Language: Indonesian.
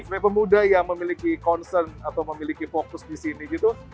pemain pemuda yang memiliki concern atau memiliki fokus di sini gitu